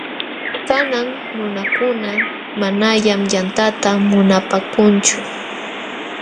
Kanan nunakuna manañam yantata munapaakunchu.